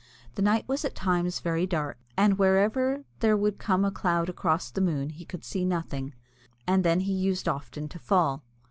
The night was at times very dark, and whenever there would come a cloud across the moon he could see nothing, and then he used often to fall.